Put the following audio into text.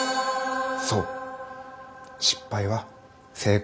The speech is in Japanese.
そう「失敗は成功の母」。